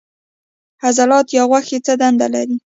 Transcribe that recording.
عضلات یا غوښې څه دنده لري